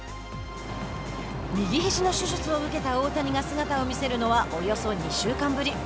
右ひじの手術を受けた大谷が姿を見せるのはおよそ２週間ぶり。